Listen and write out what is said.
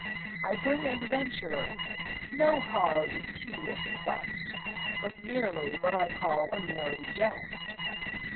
I bring adventure, no hard, tedious quest, But merely what I call a merry jest.